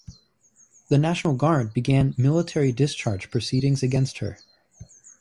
The National Guard began military discharge proceedings against her.